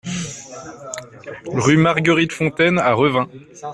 Rue Marguerite Fontaine à Revin